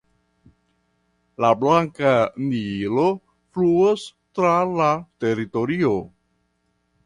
La Blanka Nilo fluas tra la teritorio.